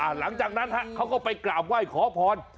หลังจากนั้นเขาก็ไปกราบไหว้ขอพร